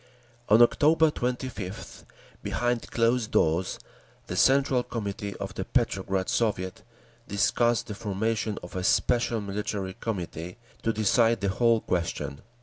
On October 25th, behind closed doors, the Central Committee of the Petrograd Soviet discussed the formation of a special Military Committee to decide the whole question.